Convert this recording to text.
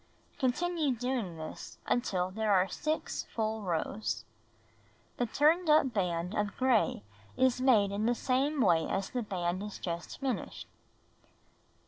Continue doing this until there are 6 full rows. The turned up band of gray is made in the same way as the band just finished.